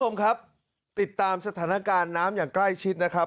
คุณผู้ชมครับติดตามสถานการณ์น้ำอย่างใกล้ชิดนะครับ